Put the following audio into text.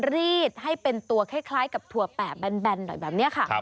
รีดให้เป็นตัวคล้ายกับถั่วแปะแบนหน่อยแบบนี้ค่ะ